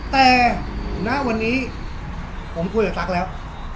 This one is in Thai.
แต่ณวันนี้ผมคุยกับตั๊กแล้ว